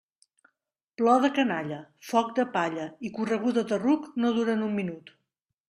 Plor de canalla, foc de palla i correguda de ruc no duren un minut.